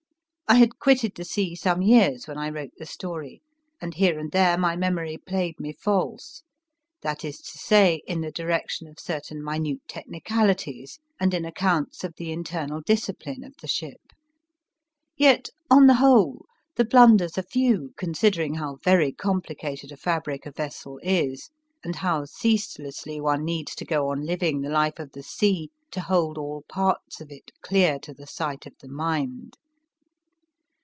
I had quitted the sea some years when I wrote the story, and here and there my memory played me false ; that is to say, in the direction of certain minute techni calities and in accounts of the internal discipline of the ship. W. CLARK RUSSELL 41 Yet, on the whole, the blunders are few considering how very complicated a fabric a vessel is, and how ceaselessly one needs to ^o on living the life of the sea to hold all parts of it clear to the sight of the mind.